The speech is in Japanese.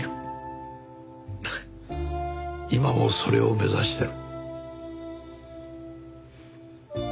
今もそれを目指してる。